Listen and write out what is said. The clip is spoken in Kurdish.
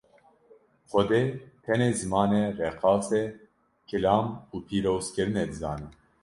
Xwedê tenê zimanê reqasê, kilam û pîrozkirinê dizane.